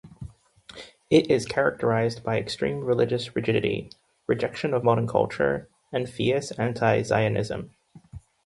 It is characterized by extreme religious rigidity, rejection of modern culture, and fierce anti-Zionism.